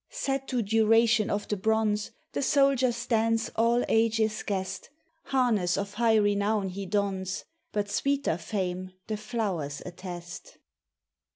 Set to duration of the bronze, The soldier stands all ages' guest: Harness of high renown he dons, But sweeter fame the flowers attest.